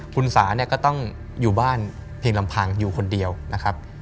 คุณสาเนี่ยก็ต้องอยู่บ้านเพียงลำพังอยู่คนเดียวนะครับ